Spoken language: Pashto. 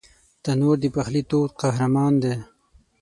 تنور د پخلي تود قهرمان دی